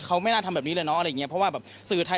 เขาไม่น่าทำแบบนี้เลยเนาะอะไรอย่างเงี้เพราะว่าแบบสื่อไทย